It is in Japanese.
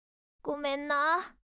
ごめんな。